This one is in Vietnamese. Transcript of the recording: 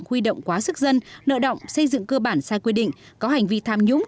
huy động quá sức dân nợ động xây dựng cơ bản sai quy định có hành vi tham nhũng